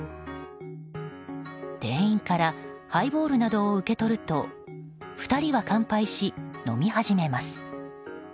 店員からハイボールなどを受け取ると２人は乾杯し、飲み始めます。